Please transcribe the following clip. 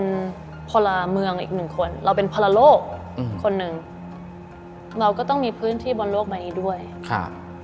เวลาเมืองอีกหนึ่งคนเราเป็นพระโลกคนหนึ่งเราก็ต้องมีพื้นที่บนโลกใบดู้ยค่ะ